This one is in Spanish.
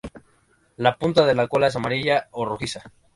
La punta de la cola es amarilla o rojiza.